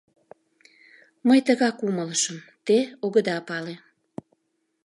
Мый тыгак умылышым: те огыда пале.